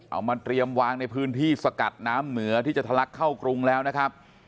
เอามาเตรียมวางในพื้นที่สกัดน้ำเหนือที่จะทะลักเข้ากรุงแล้วนะครับ